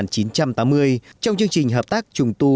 trong những công trình hợp tác trùng tu